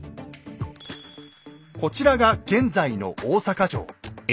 こちらが現在の大阪城。